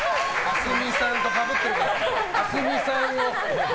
ａｓｍｉさんとかぶってるから。